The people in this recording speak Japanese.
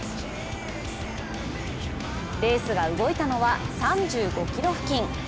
レースが動いたのは３５ｋｍ付近。